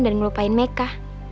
dan ngelupain meka